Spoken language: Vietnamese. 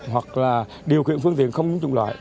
hoặc là điều khiển phương tiện không dùng loại